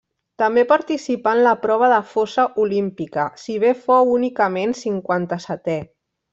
També participà en la prova de fossa olímpica, si bé fou únicament cinquanta-setè.